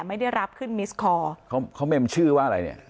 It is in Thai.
ไม่ได้รับคืนมิสคอร์